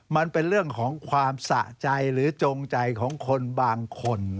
มันเป็นเรื่องของความสะใจหรือจงใจของคนบางคน